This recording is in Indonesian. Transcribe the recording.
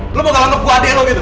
kamu mau ganteng gue adik kamu gitu